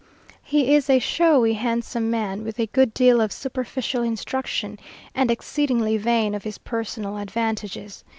He is a showy, handsome man, with a good deal of superficial instruction, and exceedingly vain of his personal advantages.